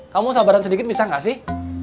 kamu sabaran sedikit bisa nggak sih